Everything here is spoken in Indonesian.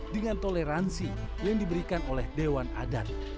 dengan toleransi yang diberikan oleh dewan adat